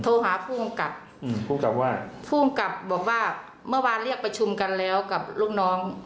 โทรหาผู้กำกับอืมผู้กำกับว่าผู้กำกับบอกว่าเมื่อวานเรียกประชุมกันแล้วกับลูกน้อง